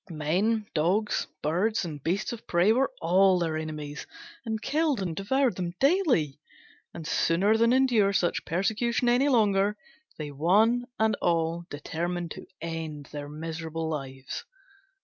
Men, dogs, birds and beasts of prey were all their enemies, and killed and devoured them daily: and sooner than endure such persecution any longer, they one and all determined to end their miserable lives.